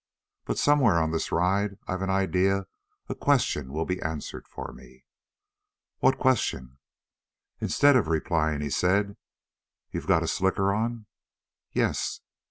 But somewhere on this ride, I've an idea a question will be answered for me." "What question?" Instead of replying he said: "You've got a slicker on?" "Yes."